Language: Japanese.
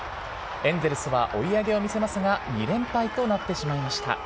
エンゼルスは追い上げを見せますが、２連敗となってしまいました。